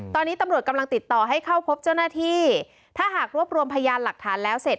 ตอนนี้ตำรวจกำลังติดต่อให้เข้าพบเจ้าหน้าที่ถ้าหากรวบรวมพยานหลักฐานแล้วเสร็จ